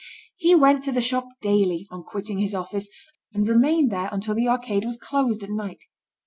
He went to the shop daily, on quitting his office, and remained there until the arcade was closed at night.